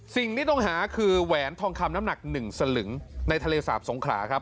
สิ่งที่ต้องหาคือแหวนทองคำน้ำหนัก๑สลึงในทะเลสาบสงขลาครับ